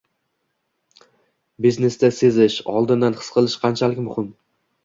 — Biznesda sezish, oldindan his qilish qanchalik muhim?